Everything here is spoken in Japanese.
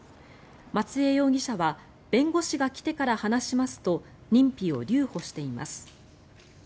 松江容疑者は弁護士が来てから話しますと認否を留保しています。